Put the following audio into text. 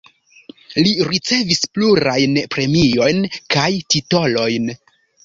Li ricevis plurajn premiojn kaj titolojn.